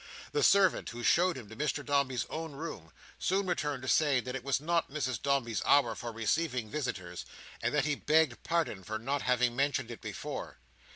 The servant who showed him to Mr Dombey's own room, soon returned to say that it was not Mrs Dombey's hour for receiving visitors, and that he begged pardon for not having mentioned it before.